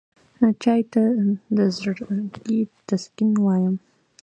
چای ته د زړګي تسکین وایم.